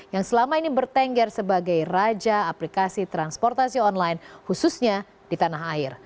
yang selama ini bertengger sebagai raja aplikasi transportasi online khususnya di tanah air